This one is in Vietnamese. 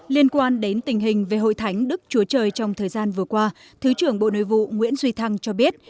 liên quan đến tình hình về hội thánh đức chúa trời trong thời gian vừa qua thứ trưởng bộ nội vụ nguyễn duy thăng cho biết